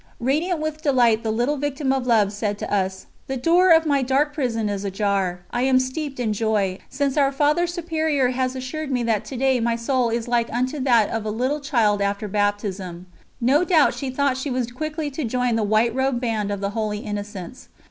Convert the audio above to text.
Radiant with delight the little Victim of Love said to us: "The door of my dark prison is ajar. I am steeped in joy, especially since our Father Superior has assured me that to day my soul is like unto that of a little child after Baptism." No doubt she thought she was quickly to join the white robed band of the Holy Innocents.